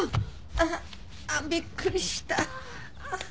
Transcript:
ああびっくりした。